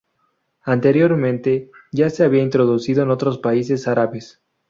Anteriormente, ya se había introducido en otros países árabes.